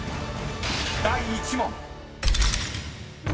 ［第１問］